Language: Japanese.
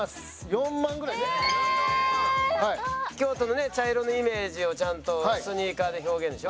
京都のね茶色のイメージをちゃんとスニーカーで表現でしょ？